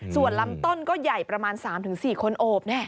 ส่วนลำต้นก็ใหญ่ประมาณ๓๔คนโอบ